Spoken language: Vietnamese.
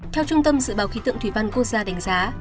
theo trung tâm dự báo khí tượng thủy văn quốc gia đánh giá